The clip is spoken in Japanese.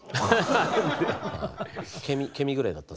ケミぐらいだった。